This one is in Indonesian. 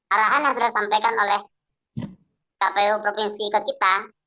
arahan yang sudah disampaikan oleh kpu provinsi ke kita